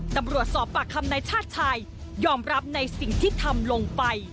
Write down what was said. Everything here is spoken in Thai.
ตำรวจสอบปากคำนายชาติชายยอมรับในสิ่งที่ทำลงไป